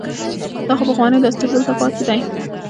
دا خو پخوانی دستور دلته پاتې دی.